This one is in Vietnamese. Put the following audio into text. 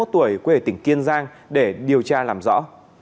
hai mươi một tuổi quê tỉnh kiên giang để điều tra làm rõ